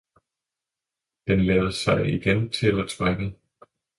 den lavede sig igen til at springe.